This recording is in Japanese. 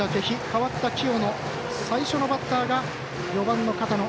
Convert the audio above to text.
代わった清野最初のバッターが４番の片野。